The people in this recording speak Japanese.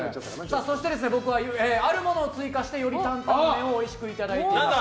そして、僕はあるものを追加してより担々麺をおいしくいただいています。